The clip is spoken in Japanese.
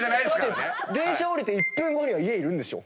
電車降りて１分後には家いるんでしょ？